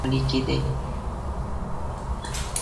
د حکومت پالیسۍ له پاسه په یو اړخیز ډول عملي کېدې